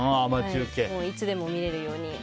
いつでも見られるように。